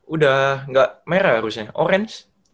udah gak merah harusnya orange